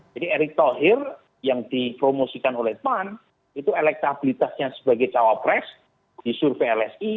jadi erick thohir yang dipromosikan oleh pan itu elektabilitasnya sebagai cawa pres di survei lsi